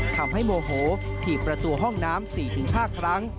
ทำให้โมโหทีบประตูห้องน้ำ๔๕ครั้ง